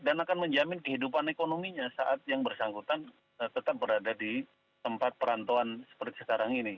dan akan menjamin kehidupan ekonominya saat yang bersangkutan tetap berada di tempat perantauan seperti sekarang ini